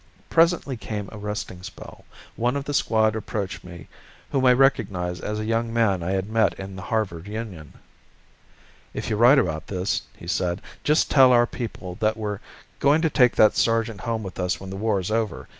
Presently came a resting spell. One of the squad approached me, whom I recognized as a young man I had met in the Harvard Union. "If you write about this," he said, "just tell our people that we're going to take that sergeant home with us when the war's over.